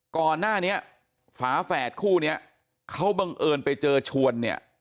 ก่อนหน้านี้ฝาแฝดคู่เนี้ยเขาบังเอิญไปเจอชวนเนี่ย